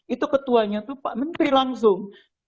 itu ketuanya itu pak menteri langsung